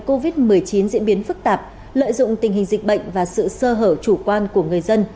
covid một mươi chín diễn biến phức tạp lợi dụng tình hình dịch bệnh và sự sơ hở chủ quan của người dân